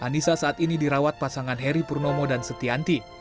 anissa saat ini dirawat pasangan heri purnomo dan setianti